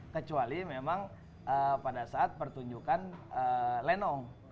kecuali memang pada saat pertunjukan lenong